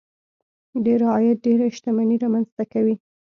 ډېر عاید ډېره شتمني رامنځته کوي.